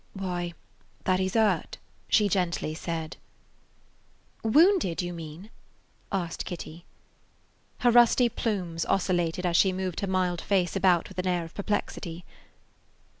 "Why, that he 's hurt," she gently said. "Wounded, you mean?" asked Kitty. Her rusty plumes oscillated as she moved her mild face about with an air of perplexity.